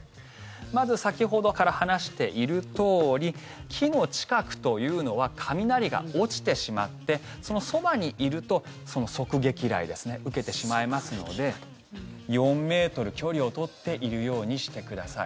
まず先ほどから話しているとおり木の近くというのは雷が落ちてしまってそのそばにいると側撃雷ですね受けてしまいますので４ｍ、距離を取っているようにしてください。